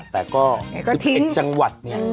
แต่ก็๑๑จังหวัดเนี่ย